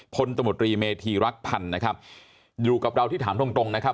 ตมตรีเมธีรักพันธ์นะครับอยู่กับเราที่ถามตรงตรงนะครับ